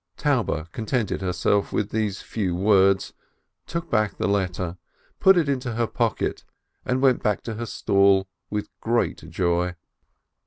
Taube contented herself with these few words, took back the letter, put it in her pocket, and went back to her stall with great joy.